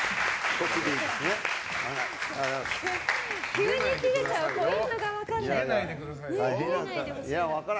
急にキレちゃうポイントが分からないから。